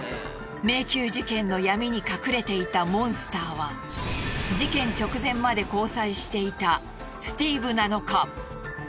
迷宮事件の闇に隠れていたモンスターは事件直前まで交際していたスティーブなのか。